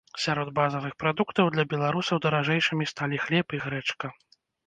Сярод базавых прадуктаў для беларусаў даражэйшымі сталі хлеб і грэчка.